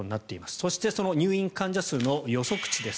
そしてその入院患者数の予測値です。